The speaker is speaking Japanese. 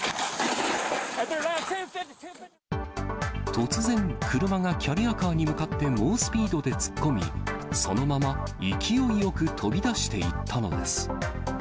突然、車がキャリアカーに向かって猛スピードで突っ込み、そのまま勢いよく飛び出していったのです。